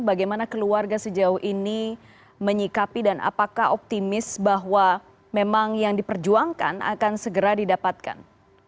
bagaimana keluarga sejauh ini menyikapi dan apakah optimis bahwa memang yang diperjuangkan akan segera didapatkan